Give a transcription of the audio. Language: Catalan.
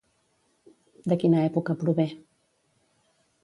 De quina època prové?